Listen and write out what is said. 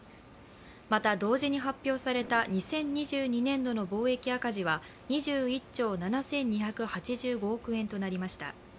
また、同時に発表された２０２２年度の貿易赤字は２１兆７２８５億円となりました。